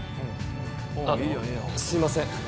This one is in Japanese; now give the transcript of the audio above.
あっすいません。